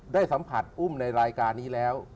ได้สัมผัสอุ้มในรายการนี้แล้ว